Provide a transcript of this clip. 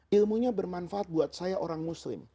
ilmunya bermanfaat buat saya orang muslim